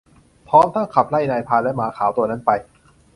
พร้อมทั้งขับไล่นายพรานและหมาขาวตัวนั้นไป